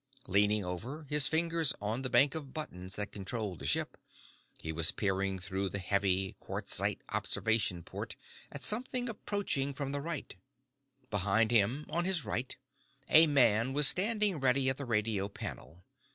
Leaning over, his fingers on the bank of buttons that controlled the ship, he was peering through the heavy quartzite observation port at something approaching from the right. Beside him, on his right, a man was standing ready at the radio panel.